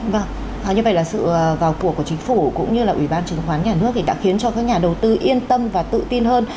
vâng như vậy là sự vào cuộc của chính phủ cũng như là ủy ban chứng khoán nhà nước thì đã khiến cho các nhà đầu tư yên tâm và tự tin hơn